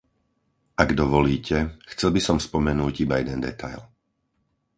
Ak dovolíte, chcel by som spomenúť iba jeden detail.